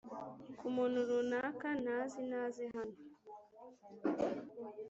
ku muntu runaka ntazi naze hano